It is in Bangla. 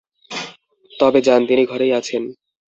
তবে যান, তিনি ঘরেই আছেন।